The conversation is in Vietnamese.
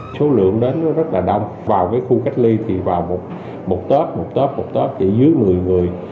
số lượng đến rất là đông vào cái khu cách ly thì vào một tớp một tớp một tớp chỉ dưới một mươi người